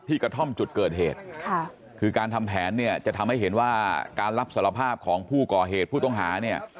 กระท่อมจุดเกิดเหตุค่ะคือการทำแผนเนี่ยจะทำให้เห็นว่าการรับสารภาพของผู้ก่อเหตุผู้ต้องหาเนี่ย